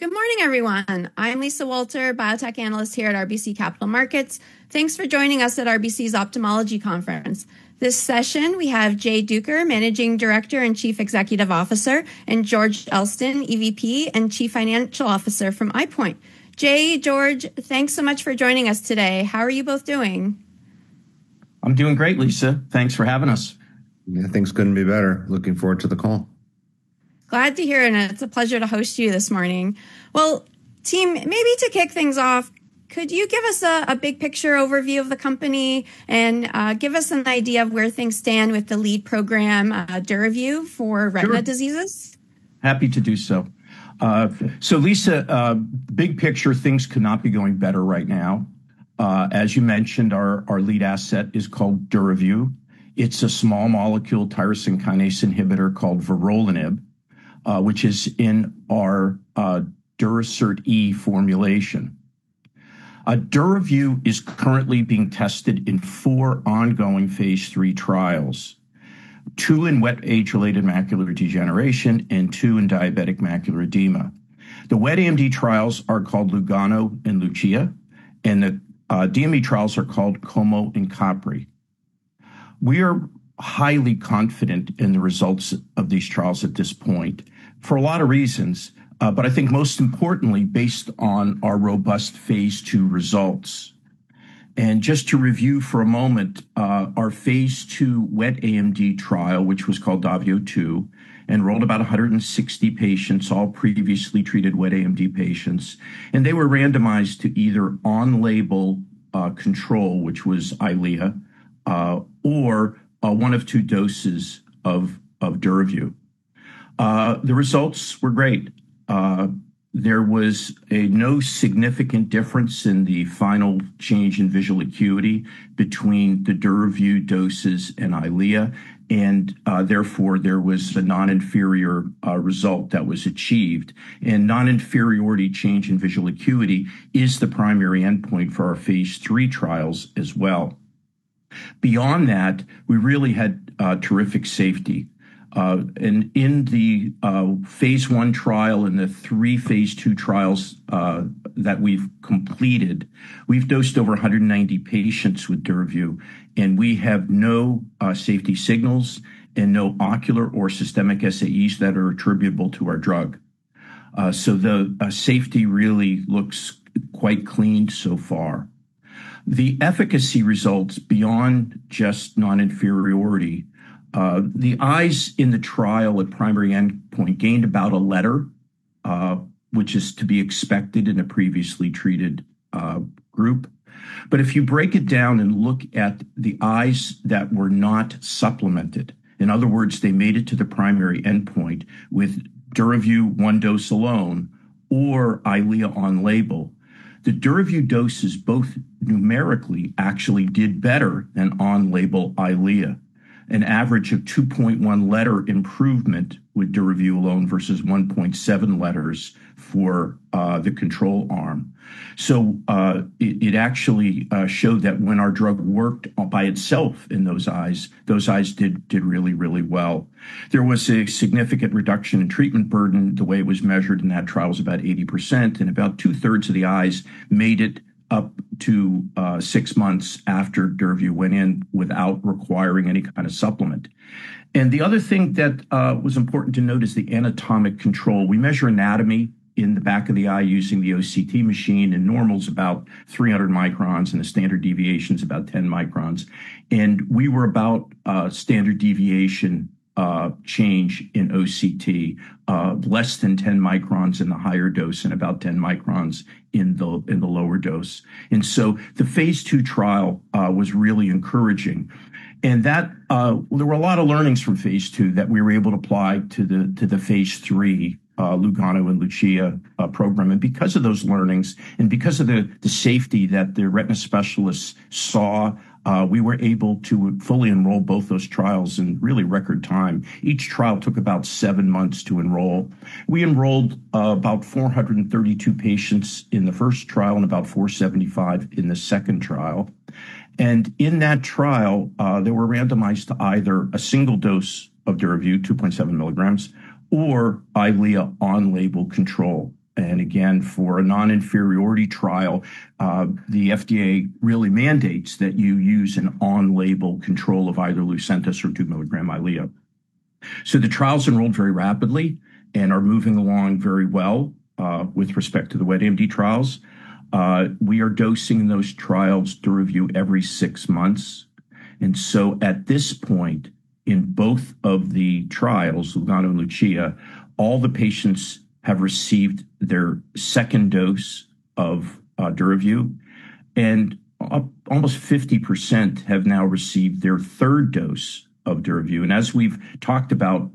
Good morning, everyone. I'm Lisa Walter, biotech analyst here at RBC Capital Markets. Thanks for joining us at RBC's Ophthalmology Conference. This session, we have Jay Duker, Managing Director and Chief Executive Officer, and George Elston, EVP, and Chief Financial Officer from EyePoint. Jay, George, thanks so much for joining us today. How are you both doing? I'm doing great, Lisa. Thanks for having us. Yeah, things couldn't be better. Looking forward to the call. Glad to hear. It's a pleasure to host you this morning. Well, team, maybe to kick things off, could you give us a big picture overview of the company and give us an idea of where things stand with the lead program, DURAVYU, for- Sure. retinal diseases? Happy to do so. Lisa, big picture, things could not be going better right now. As you mentioned, our lead asset is called DURAVYU. It's a small molecule tyrosine kinase inhibitor called vorolanib, which is in our Durasert E formulation. DURAVYU is currently being tested in four ongoing phase III trials. Two in wet age-related macular degeneration and two in diabetic macular edema. The wet AMD trials are called LUGANO and LUCIA, and the DME trials are called COMO and CAPRI. We are highly confident in the results of these trials at this point for a lot of reasons, but I think most importantly, based on our robust phase II results. Just to review for a moment, our phase II wet AMD trial, which was called DAVIO 2, enrolled about 160 patients, all previously treated wet AMD patients, and they were randomized to either on-label control, which was EYLEA, or one of two doses of DURAVYU. The results were great. There was no significant difference in the final change in visual acuity between the DURAVYU doses and EYLEA, and therefore, there was a non-inferior result that was achieved. Non-inferiority change in visual acuity is the primary endpoint for our phase III trials as well. Beyond that, we really had terrific safety. In the phase I trial and the three phase II trials that we've completed, we've dosed over 190 patients with DURAVYU, and we have no safety signals and no ocular or systemic SAEs that are attributable to our drug. The safety really looks quite clean so far. The efficacy results beyond just non-inferiority, the eyes in the trial at primary endpoint gained about a letter, which is to be expected in a previously treated group. If you break it down and look at the eyes that were not supplemented, in other words, they made it to the primary endpoint with DURAVYU 1 dose alone or EYLEA on label. The DURAVYU doses, both numerically actually did better than on-label EYLEA. An average of 2.1 letter improvement with DURAVYU alone versus 1.7 letters for the control arm. It actually showed that when our drug worked by itself in those eyes, those eyes did really well. There was a significant reduction in treatment burden. The way it was measured in that trial was about 80%, and about two-thirds of the eyes made it up to 6 months after DURAVYU went in without requiring any kind of supplement. The other thing that was important to note is the anatomic control. We measure anatomy in the back of the eye using the OCT machine, and normal is about 300 microns, and the standard deviation is about 10 microns. We were about standard deviation change in OCT less than 10 microns in the higher dose and about 10 microns in the lower dose. The phase II trial was really encouraging. That there were a lot of learnings from phase II that we were able to apply to the phase III Lugano and Lucia program. Because of those learnings and because of the safety that the retina specialists saw, we were able to fully enroll both those trials in really record time. Each trial took about seven months to enroll. We enrolled about 432 patients in the first trial and about 475 in the second trial. In that trial, they were randomized to either a single dose of DURAVYU, 2.7 mg, or EYLEA on-label control. For a non-inferiority trial, the FDA really mandates that you use an on-label control of either Lucentis or 2 mg EYLEA. The trials enrolled very rapidly and are moving along very well, with respect to the wet AMD trials. We are dosing those trials DURAVYU every six months. At this point, in both of the trials, LUGANO and LUCIA, all the patients have received their second dose of DURAVYU, and almost 50% have now received their third dose of DURAVYU. As we've talked about,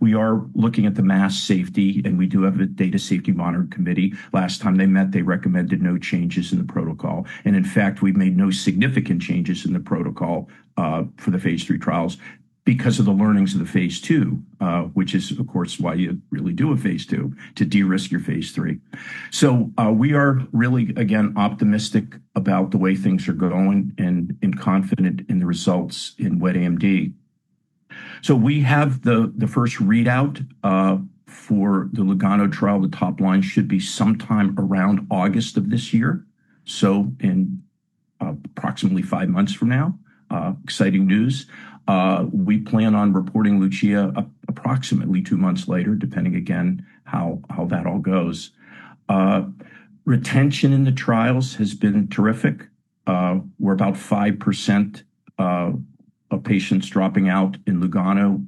we are looking at the overall safety, and we do have a data safety monitoring committee. Last time they met, they recommended no changes in the protocol. In fact, we've made no significant changes in the protocol for the phase III trials because of the learnings of the phase II, which is of course why you really do a phase II, to de-risk your phase III. We are really, again, optimistic about the way things are going and confident in the results in wet AMD. We have the first readout for the LUGANO trial. The top line should be sometime around August of this year, so in approximately five months from now. Exciting news. We plan on reporting LUCIA approximately two months later, depending, again, how that all goes. Retention in the trials has been terrific. We're about 5% of patients dropping out in LUGANO,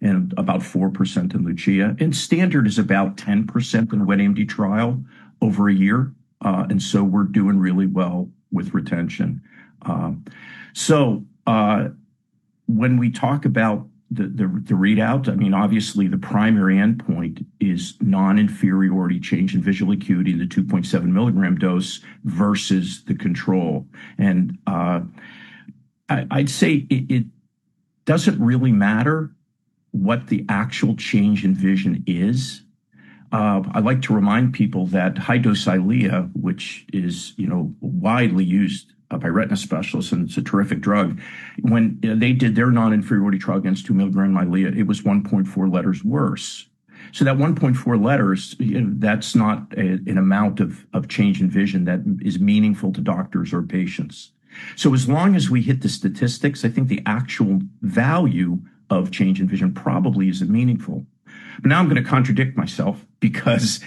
and about 4% in LUCIA. Standard is about 10% in the wet AMD trial over a year, and we're doing really well with retention. When we talk about the readout, I mean, obviously the primary endpoint is non-inferiority change in visual acuity, the 2.7 milligram dose versus the control. I'd say it doesn't really matter what the actual change in vision is. I like to remind people that high-dose EYLEA, which is, you know, widely used by retina specialists, and it's a terrific drug. When they did their non-inferiority trial against 2 milligram EYLEA, it was 1.4 letters worse. That 1.4 letters, you know, that's not an amount of change in vision that is meaningful to doctors or patients. As long as we hit the statistics, I think the actual value of change in vision probably isn't meaningful. Now I'm going to contradict myself because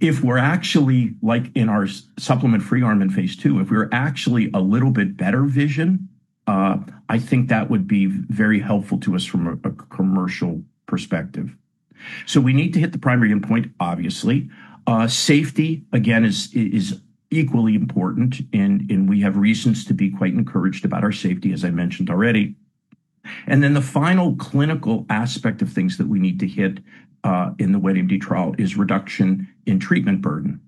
if we're actually like in our supplement-free arm in phase II, if we're actually a little bit better vision, I think that would be very helpful to us from a commercial perspective. We need to hit the primary endpoint, obviously. Safety again is equally important, and we have reasons to be quite encouraged about our safety, as I mentioned already. Then the final clinical aspect of things that we need to hit in the wet AMD trial is reduction in treatment burden.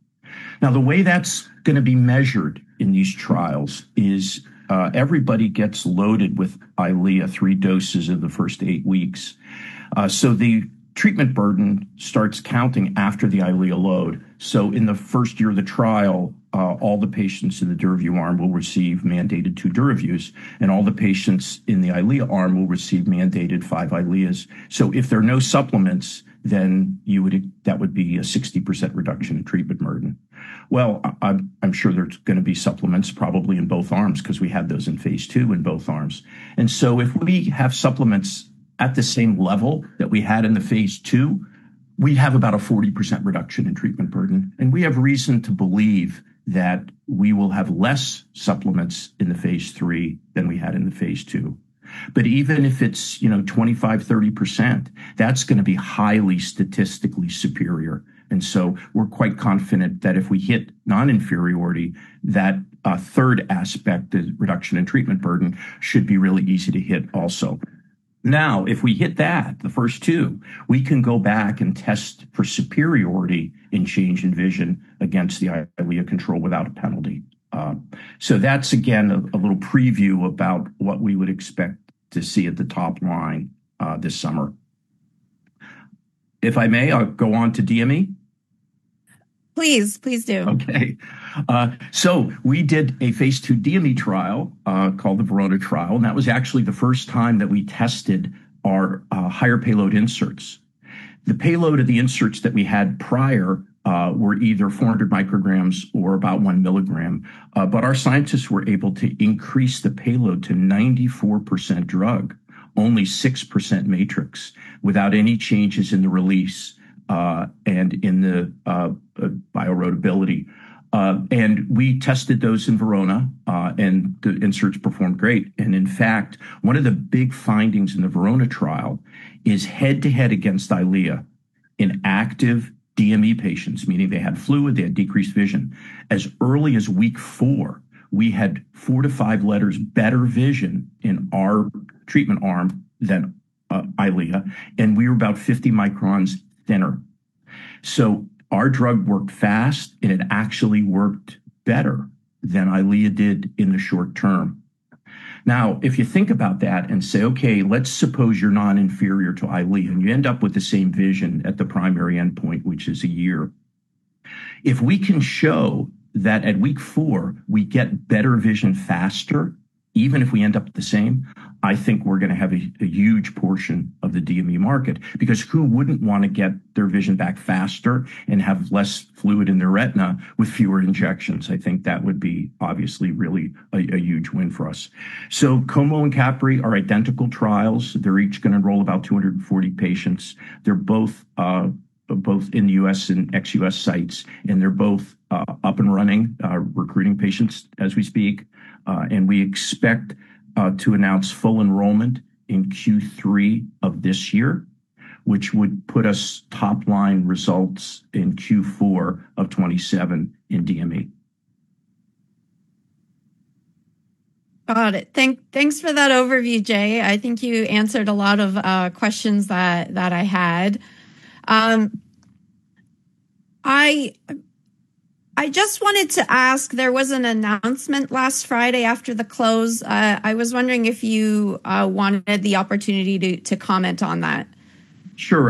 Now, the way that's going to be measured in these trials is everybody gets loaded with EYLEA, 3 doses in the first 8 weeks. The treatment burden starts counting after the EYLEA load. In the first year of the trial, all the patients in the DURAVYU arm will receive mandated two DURAVYUs, and all the patients in the EYLEA arm will receive mandated five EYLEAs. If there are no supplements, that would be a 60% reduction in treatment burden. Well, I'm sure there's going to be supplements probably in both arms because we had those in phase II in both arms. If we have supplements at the same level that we had in the phase II, we have about a 40% reduction in treatment burden. We have reason to believe that we will have less supplements in the phase III than we had in the phase II. Even if it's, you know, 25%-30%, that's going to be highly statistically superior. We're quite confident that if we hit non-inferiority, that third aspect, the reduction in treatment burden, should be really easy to hit also. Now, if we hit that, the first two, we can go back and test for superiority in change in vision against the EYLEA control without a penalty. That's again a little preview about what we would expect to see at the top line this summer. If I may, I'll go on to DME. Please do. Okay. We did a phase II DME trial called the VERONA trial, and that was actually the first time that we tested our higher payload inserts. The payload of the inserts that we had prior were either 400 micrograms or about 1 milligram. Our scientists were able to increase the payload to 94% drug, only 6% matrix, without any changes in the release and in the bioerodibility. We tested those in VERONA, and the inserts performed great. In fact, one of the big findings in the VERONA trial is head-to-head against EYLEA in active DME patients, meaning they had fluid, they had decreased vision. As early as week 4, we had 4-5 letters better vision in our treatment arm than EYLEA, and we were about 50 microns thinner. Our drug worked fast, and it actually worked better than EYLEA did in the short term. Now, if you think about that and say, okay, let's suppose you're non-inferior to EYLEA, and you end up with the same vision at the primary endpoint, which is a year. If we can show that at week 4, we get better vision faster, even if we end up the same, I think we're going to have a huge portion of the DME market, because who wouldn't want to get their vision back faster and have less fluid in their retina with fewer injections? I think that would be obviously really a huge win for us. COMO and CAPRI are identical trials. They're each going to enroll about 240 patients. They're both in the U.S. and ex-U.S. sites, and they're both up and running, recruiting patients as we speak. We expect to announce full enrollment in Q3 of this year, which would put us top-line results in Q4 of 2027 in DME. Got it. Thanks for that overview, Jay. I think you answered a lot of questions that I had. I just wanted to ask, there was an announcement last Friday after the close. I was wondering if you wanted the opportunity to comment on that.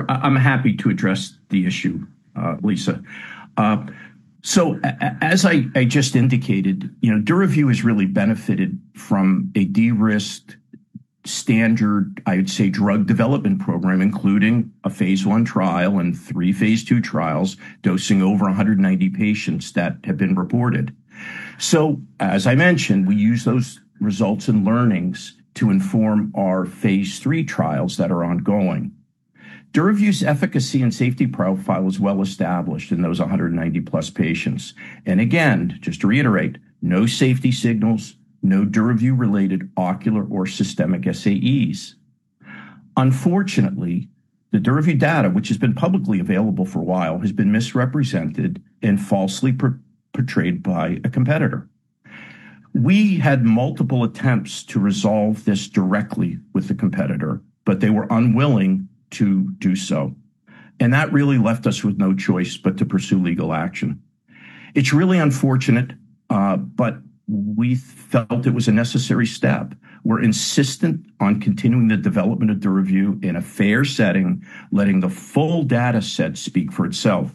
I'm happy to address the issue, Lisa. As I just indicated, you know, DURAVYU has really benefited from a de-risked standard, I would say, drug development program, including a phase I trial and three phase II trials, dosing over 190 patients that have been reported. As I mentioned, we use those results and learnings to inform our phase III trials that are ongoing. DURAVYU's efficacy and safety profile is well-established in those 190+ patients. Again, just to reiterate, no safety signals, no DURAVYU-related ocular or systemic SAEs. Unfortunately, the DURAVYU data, which has been publicly available for a while, has been misrepresented and falsely portrayed by a competitor. We had multiple attempts to resolve this directly with the competitor, but they were unwilling to do so. That really left us with no choice but to pursue legal action. It's really unfortunate, but we felt it was a necessary step. We're insistent on continuing the development of DURAVYU in a fair setting, letting the full data set speak for itself.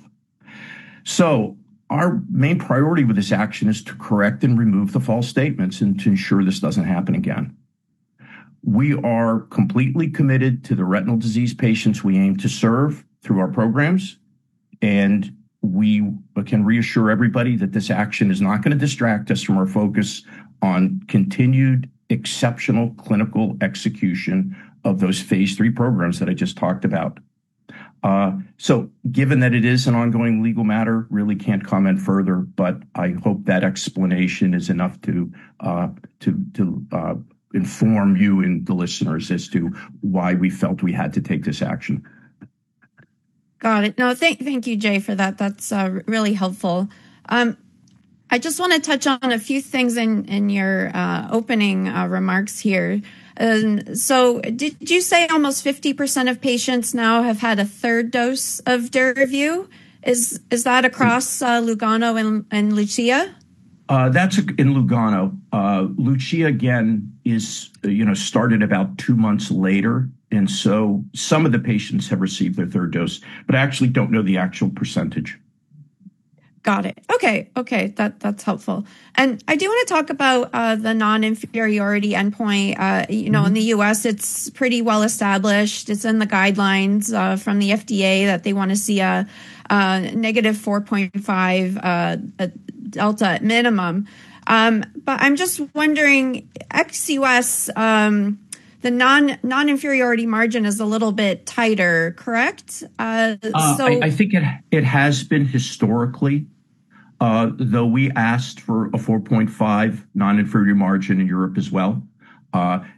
Our main priority with this action is to correct and remove the false statements and to ensure this doesn't happen again. We are completely committed to the retinal disease patients we aim to serve through our programs, and we can reassure everybody that this action is not gonna distract us from our focus on continued exceptional clinical execution of those phase III programs that I just talked about. Given that it is an ongoing legal matter, really can't comment further, but I hope that explanation is enough to inform you and the listeners as to why we felt we had to take this action. Got it. No, thank you, Jay, for that. That's really helpful. I just want to touch on a few things in your opening remarks here. Did you say almost 50% of patients now have had a third dose of DURAVYU? Is that across LUGANO and LUCIA? That's in LUGANO. LUCIA, again, is, you know, started about two months later, and so some of the patients have received their third dose, but I actually don't know the actual percentage. Got it. Okay. That's helpful. I do wanna talk about the non-inferiority endpoint. You know, in the U.S., it's pretty well established. It's in the guidelines from the FDA that they wanna see a -4.5 delta at minimum. But I'm just wondering, ex-U.S., the non-inferiority margin is a little bit tighter, correct? So- I think it has been historically, though we asked for a 4.5 non-inferiority margin in Europe as well. I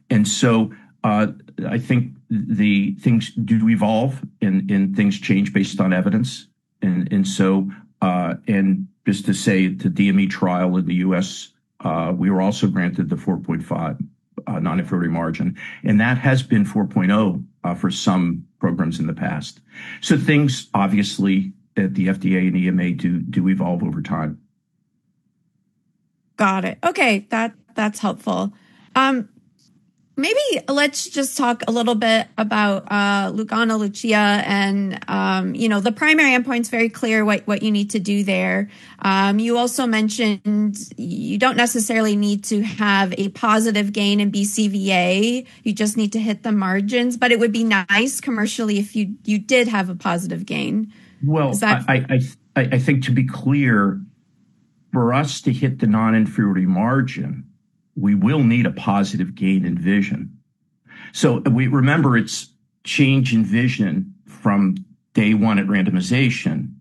think things do evolve and things change based on evidence. Just to say the DME trial in the U.S., we were also granted the 4.5 non-inferiority margin, and that has been 4.0 for some programs in the past. Things obviously that the FDA and EMA do evolve over time. Got it. Okay. That, that's helpful. Maybe let's just talk a little bit about LUGANO, LUCIA, and you know, the primary endpoint is very clear what you need to do there. You also mentioned you don't necessarily need to have a positive gain in BCVA. You just need to hit the margins, but it would be nice commercially if you did have a positive gain. Well- Is that? I think to be clear, for us to hit the non-inferiority margin, we will need a positive gain in vision. We remember it's change in vision from day one at randomization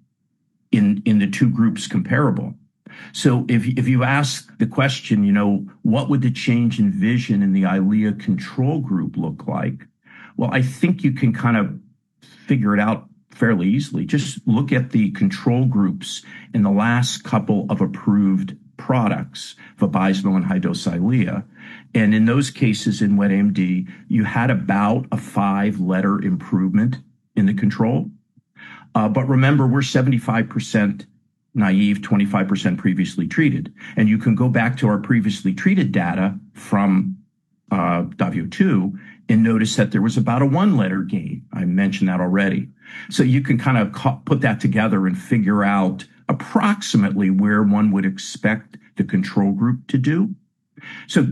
in the two groups comparable. If you ask the question, you know, what would the change in vision in the EYLEA control group look like? Well, I think you can kind of figure it out fairly easily. Just look at the control groups in the last couple of approved products, Vabysmo and high-dose EYLEA. In those cases, in wet AMD, you had about a 5-letter improvement in the control. But remember, we're 75% naive, 25% previously treated. You can go back to our previously treated data from DAVIO 2 and notice that there was about a 1-letter gain. I mentioned that already. You can kind of put that together and figure out approximately where one would expect the control group to do.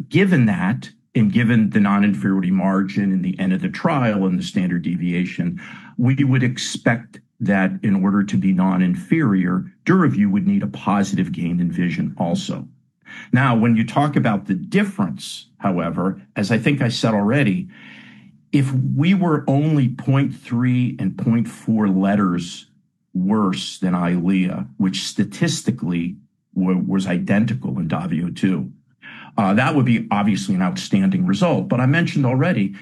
Given that, and given the non-inferiority margin at the end of the trial and the standard deviation, we would expect that in order to be non-inferior, DURAVYU would need a positive gain in vision also. Now, when you talk about the difference, however, as I think I said already, if we were only 0.3 and 0.4 letters worse than EYLEA, which statistically was identical in DAVIO 2, that would be obviously an outstanding result. I mentioned already,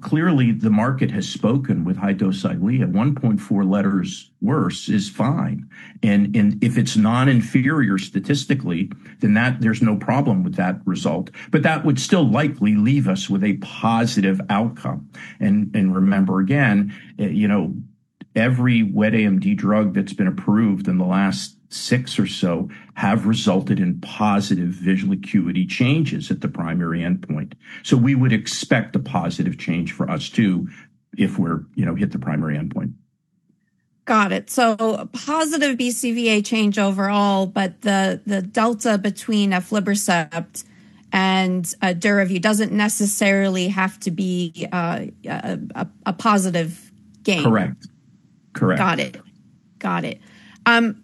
clearly the market has spoken with high-dose EYLEA. 1.4 letters worse is fine. If it's non-inferior statistically, then that there's no problem with that result. That would still likely leave us with a positive outcome. Remember, again, you know, every wet AMD drug that's been approved in the last six or so have resulted in positive visual acuity changes at the primary endpoint. We would expect a positive change for us, too, if we're, you know, hit the primary endpoint. Got it. Positive BCVA change overall, but the delta between aflibercept and DURAVYU doesn't necessarily have to be a positive gain. Correct. Correct. Got it.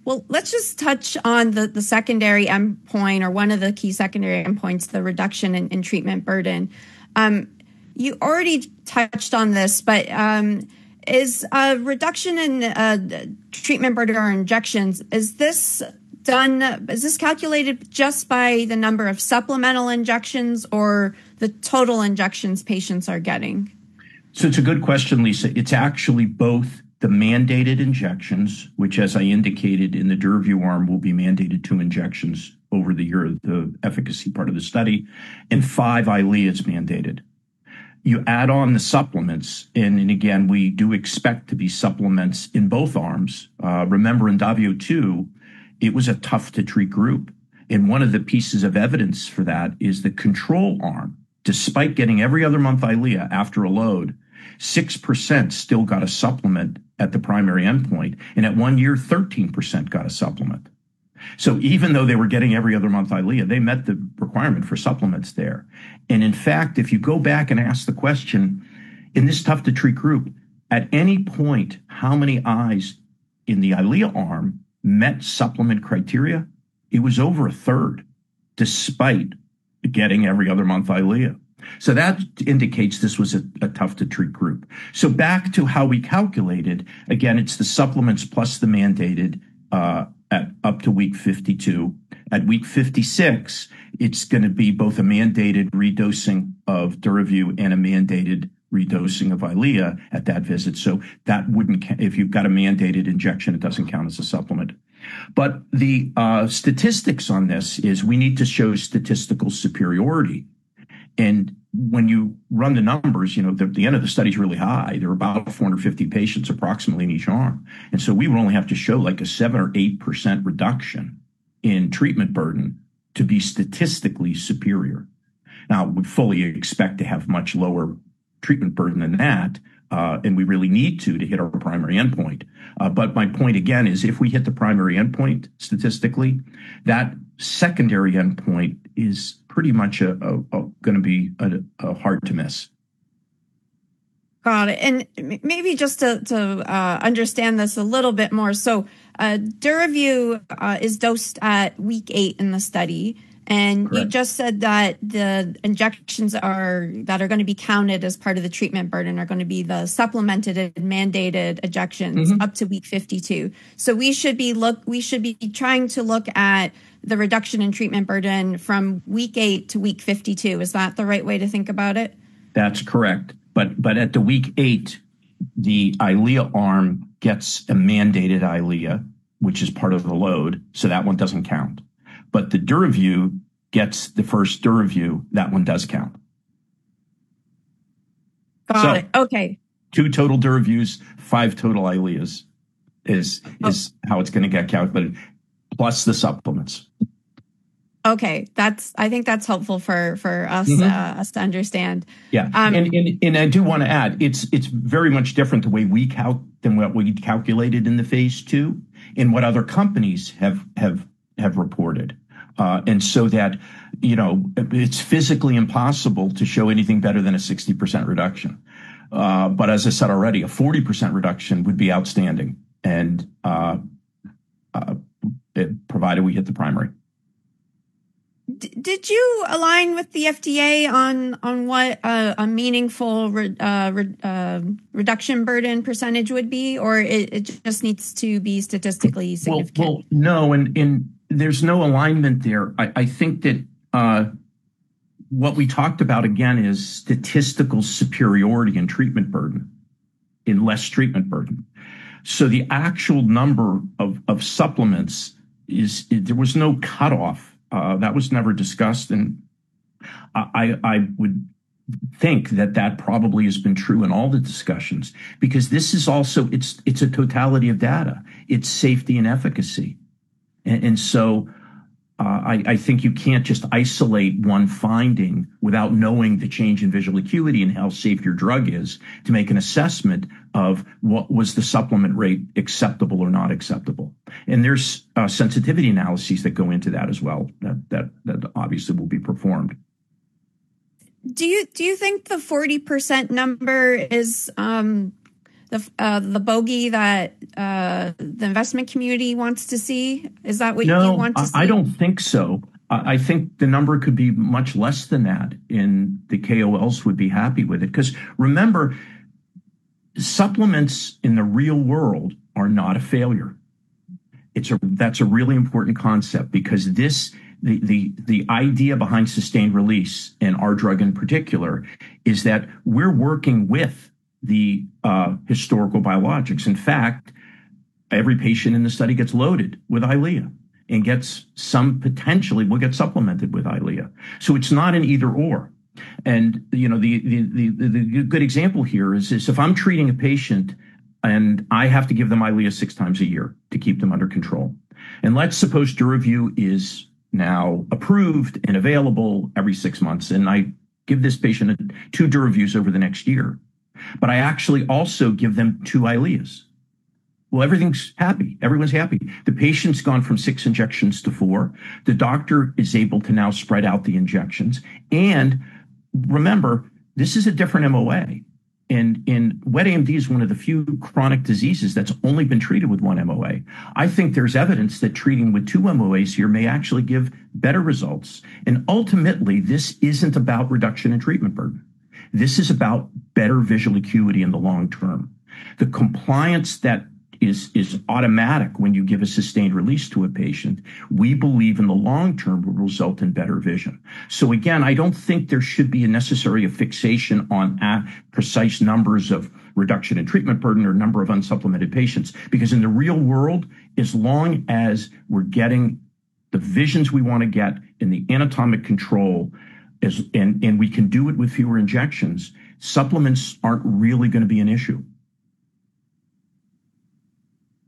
Well, let's just touch on the secondary endpoint or one of the key secondary endpoints, the reduction in treatment burden. You already touched on this, but is reduction in treatment burden or injections calculated just by the number of supplemental injections or the total injections patients are getting? It's a good question, Lisa. It's actually both the mandated injections, which, as I indicated in the DURAVYU arm, will be mandated 2 injections over the year of the efficacy part of the study, and 5 EYLEA is mandated. You add on the supplements in. Again, we do expect supplements in both arms. Remember in DAVIO 2, it was a tough-to-treat group, and one of the pieces of evidence for that is the control arm. Despite getting every other month EYLEA after a load, 6% still got a supplement at the primary endpoint, and at 1 year, 13% got a supplement. Even though they were getting every other month EYLEA, they met the requirement for supplements there. In fact, if you go back and ask the question, in this tough-to-treat group, at any point, how many eyes in the EYLEA arm met supplement criteria? It was over a third, despite getting every other month EYLEA. That indicates this was a tough-to-treat group. Back to how we calculated. Again, it's the supplements plus the mandated at up to week 52. At week 56, it's gonna be both a mandated redosing of DURAVYU and a mandated redosing of EYLEA at that visit. That wouldn't count. If you've got a mandated injection, it doesn't count as a supplement. But the statistics on this is we need to show statistical superiority. When you run the numbers, you know, the end of the study is really high. There are about 450 patients approximately in each arm. We would only have to show like a 7% or 8% reduction in treatment burden to be statistically superior. Now we fully expect to have much lower treatment burden than that, and we really need to hit our primary endpoint. My point again is if we hit the primary endpoint statistically, that secondary endpoint is pretty much gonna be hard to miss. Got it. Maybe just to understand this a little bit more. DURAVYU is dosed at week eight in the study. You just said that the injections that are gonna be counted as part of the treatment burden are gonna be the supplemented and mandated injections. Mm-hmm. Up to week 52. We should be trying to look at the reduction in treatment burden from week 8 to week 52. Is that the right way to think about it? That's correct. At the week eight, the EYLEA arm gets a mandated EYLEA, which is part of the load, so that one doesn't count. The DURAVYU gets the first DURAVYU. That one does count. Got it. Okay. 2 total DURAVYUs, 5 total EYLEAs is how it's gonna get calculated, plus the supplements. Okay. I think that's helpful for us to understand. Yeah, I do wanna add, it's very much different than what we calculated in the phase II and what other companies have reported. You know, it's physically impossible to show anything better than a 60% reduction. But as I said already, a 40% reduction would be outstanding, provided we hit the primary. Did you align with the FDA on what a meaningful reduction burden percentage would be, or it just needs to be statistically significant? Well, no. There's no alignment there. I think that what we talked about, again, is statistical superiority in treatment burden in less treatment burden. The actual number of supplements is. There was no cutoff. That was never discussed. I would think that probably has been true in all the discussions, because this is also a totality of data, safety and efficacy. I think you can't just isolate one finding without knowing the change in visual acuity and how safe your drug is to make an assessment of what was the supplement rate acceptable or not acceptable. There's sensitivity analyses that go into that as well that obviously will be performed. Do you think the 40% number is the bogey that the investment community wants to see? Is that what you want to see? No, I don't think so. I think the number could be much less than that, and the KOLs would be happy with it. Because remember, supplements in the real world are not a failure. It's. That's a really important concept because this, the idea behind sustained release and our drug in particular is that we're working with the historical biologics. In fact, every patient in the study gets loaded with EYLEA and potentially will get supplemented with EYLEA. So it's not an either/or. You know, the good example here is if I'm treating a patient and I have to give them EYLEA 6 times a year to keep them under control. Let's suppose DURAVYU is now approved and available every 6 months, and I give this patient 2 DURAVYUs over the next year. I actually also give them two EYLEAs. Well, everything's happy. Everyone's happy. The patient's gone from 6 injections to 4. The doctor is able to now spread out the injections. Remember, this is a different MOA. Wet AMD is one of the few chronic diseases that's only been treated with one MOA. I think there's evidence that treating with 2 MOAs here may actually give better results. Ultimately, this isn't about reduction in treatment burden. This is about better visual acuity in the long term. The compliance that is automatic when you give a sustained release to a patient, we believe in the long term will result in better vision. Again, I don't think there should be necessarily a fixation on a precise number of reductions in treatment burden or number of unsupplemented patients, because in the real world, as long as we're getting the visions we wanna get and the anatomic control, and we can do it with fewer injections, supplements aren't really gonna be an issue.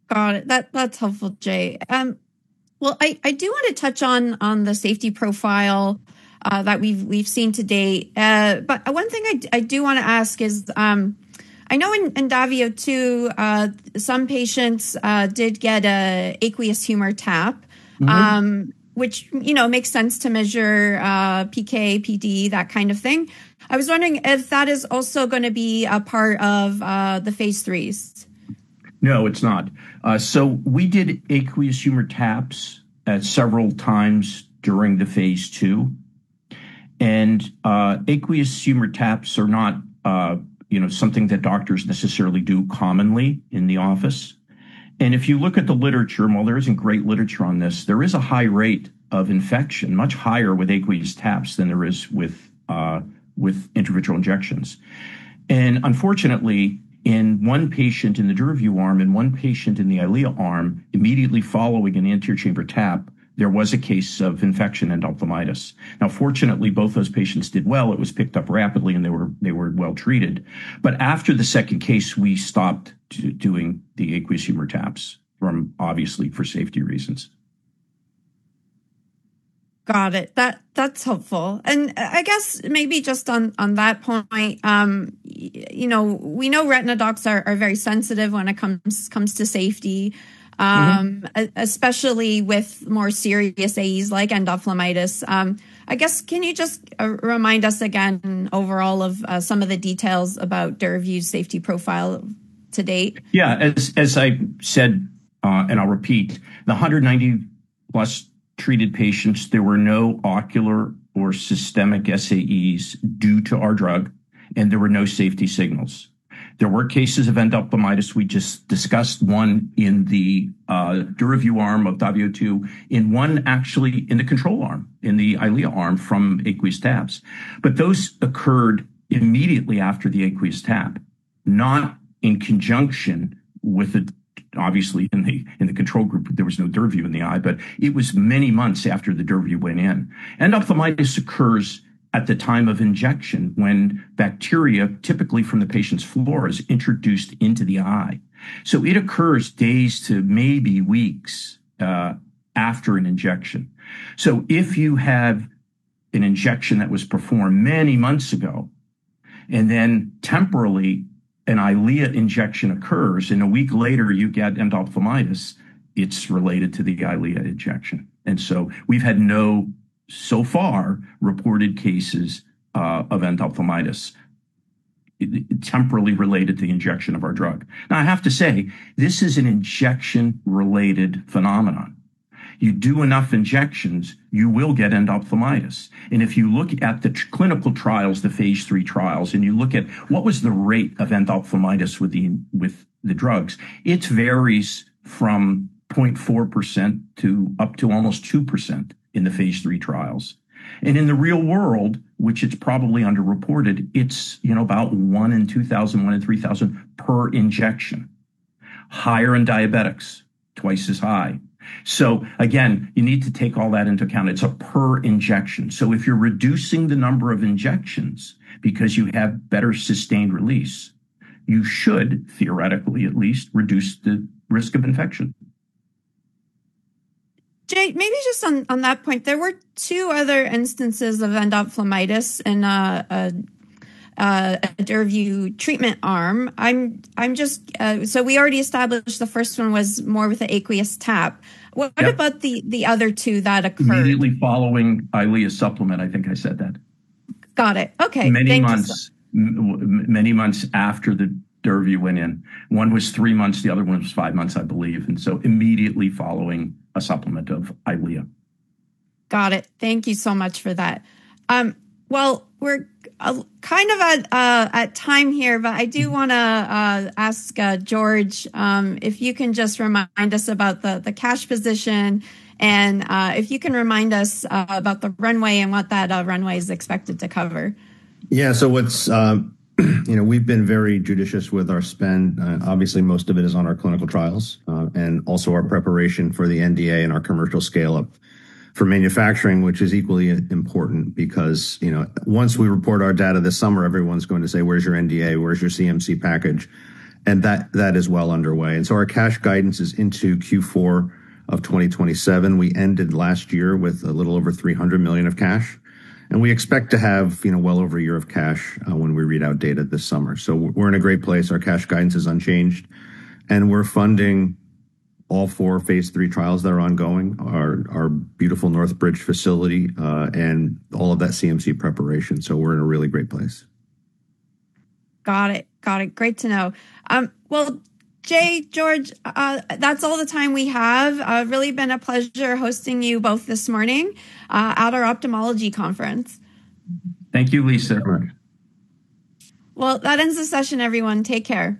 Got it. That's helpful, Jay. Well, I do wanna touch on the safety profile that we've seen to date. One thing I do wanna ask is, I know in DAVIO 2, some patients did get a aqueous humor tap. Mm-hmm. which, you know, makes sense to measure PK, PD, that kind of thing. I was wondering if that is also gonna be a part of the phase IIIs? No, it's not. We did aqueous humor taps at several times during phase II. Aqueous humor taps are not, you know, something that doctors necessarily do commonly in the office. If you look at the literature, while there isn't great literature on this, there is a high rate of infection, much higher with aqueous taps than there is with intravitreal injections. Unfortunately, in one patient in the DURAVYU arm, in one patient in the EYLEA arm, immediately following an anterior chamber tap, there was a case of infection endophthalmitis. Now, fortunately, both those patients did well. It was picked up rapidly, and they were well treated. After the second case, we stopped doing the aqueous humor taps, obviously for safety reasons. Got it. That's helpful. I guess maybe just on that point, you know, we know retina docs are very sensitive when it comes to safety. Mm-hmm. Especially with more serious SAEs like endophthalmitis. I guess can you just remind us again overall of some of the details about DURAVYU safety profile to date? Yeah. As I said, and I'll repeat, the 190-plus treated patients, there were no ocular or systemic SAEs due to our drug, and there were no safety signals. There were cases of endophthalmitis. We just discussed one in the DURAVYU arm of DAVIO 2 and one actually in the control arm, in the EYLEA arm from aqueous taps. But those occurred immediately after the aqueous tap, not in conjunction with it. Obviously, in the control group, there was no DURAVYU in the eye, but it was many months after the DURAVYU went in. Endophthalmitis occurs at the time of injection when bacteria, typically from the patient's flora, is introduced into the eye. So it occurs days to maybe weeks after an injection. If you have an injection that was performed many months ago, and then temporally an EYLEA injection occurs, and a week later you get endophthalmitis, it's related to the EYLEA injection. We've had no, so far, reported cases of endophthalmitis temporally related to the injection of our drug. Now, I have to say, this is an injection-related phenomenon. You do enough injections, you will get endophthalmitis. If you look at the clinical trials, the phase III trials, and you look at what was the rate of endophthalmitis with the, with the drugs, it varies from 0.4% to up to almost 2% in the phase III trials. In the real world, which it's probably underreported, it's, you know, about 1 in 2,000, 1 in 3,000 per injection. Higher in diabetics, twice as high. Again, you need to take all that into account. It's a per injection. If you're reducing the number of injections because you have better sustained release, you should theoretically at least reduce the risk of infection. Jay, maybe just on that point. There were two other instances of endophthalmitis in a DURAVYU treatment arm. We already established the first one was more with the aqueous tap. Yep. What about the other two that occurred? Immediately following EYLEA supplement. I think I said that. Got it. Okay. Thank you so- Many months after the DURAVYU went in. One was three months, the other one was five months, I believe. Immediately following a supplement of EYLEA. Got it. Thank you so much for that. Well, we're kind of at time here, but I do wanna ask George if you can just remind us about the cash position and if you can remind us about the runway and what that runway is expected to cover. Yeah. You know, we've been very judicious with our spend. Obviously, most of it is on our clinical trials and also our preparation for the NDA and our commercial scale-up for manufacturing, which is equally important because, you know, once we report our data this summer, everyone's going to say, "Where's your NDA? Where's your CMC package?" That is well underway. Our cash guidance is into Q4 of 2027. We ended last year with a little over $300 million of cash, and we expect to have, you know, well over a year of cash when we read our data this summer. We're in a great place. Our cash guidance is unchanged, and we're funding all four phase III trials that are ongoing, our beautiful Northbridge facility, and all of that CMC preparation. We're in a really great place. Got it. Great to know. Well, Jay, George, that's all the time we have. Really been a pleasure hosting you both this morning, at our Ophthalmology Conference. Thank you, Lisa. Well, that ends the session, everyone. Take care.